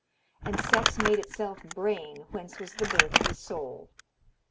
And sex made itself brain whence was the birth of the soul."